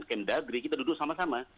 kendagri kita duduk sama sama